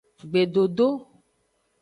Gbedodo.